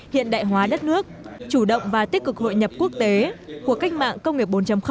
hiện đại hóa đất nước chủ động và tích cực hội nhập quốc tế của cách mạng công nghiệp bốn